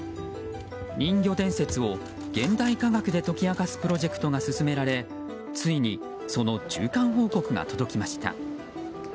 人魚伝説を現代科学で解き明かすプロジェクトが進められついに、その中間報告が届きました。